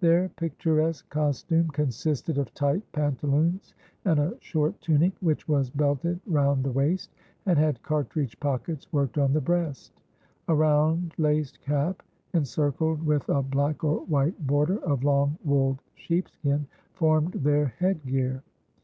Their picturesque costume consisted of tight pantaloons, and a short tunic, which was belted round the waist, and had cartridge pockets worked on the breast; a round laced cap, encircled with a black or white border of long wooled sheepskin, formed their head gear.